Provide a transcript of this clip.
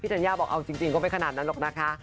ธัญญาบอกเอาจริงก็ไม่ขนาดนั้นหรอกนะคะ